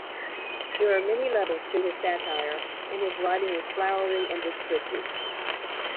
There are many levels to his satire and his writing is flowery and descriptive.